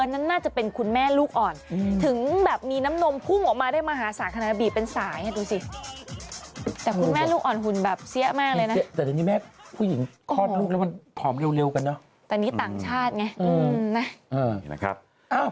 น่าจะปีหน้าหรือเปล่าพรุ่งเร็วนี้แหละอ๋อ